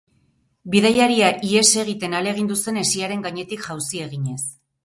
Bidaiaria ihes egiten ahalegindu zen hesiaren gainetik jauzi eginez.